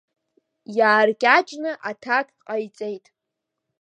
Иааркьаҿны аҭак ҟаиҵеит…